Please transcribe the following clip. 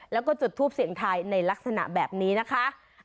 แล้วก็จุดทูปเสียงทายในลักษณะแบบนี้นะคะ